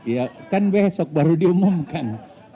ya kan besok baru diumumkan